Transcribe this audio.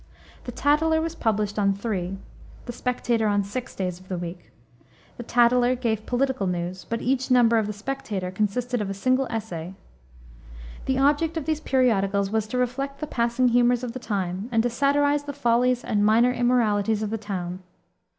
The Tatler was published on three, the Spectator on six, days of the week. The Tatler gave political news, but each number of the Spectator consisted of a single essay. The object of these periodicals was to reflect the passing humors of the time, and to satirize the follies and minor immoralities of the town.